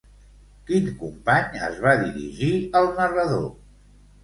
Quin company es va dirigir al narrador?